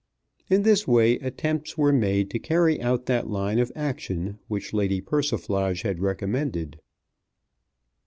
In this way attempts were made to carry out that line of action which Lady Persiflage had recommended.